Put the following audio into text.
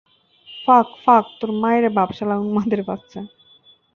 ফাক, ফাক তোর মাইরে বাপ, শালা উম্মাদের বাচ্চা!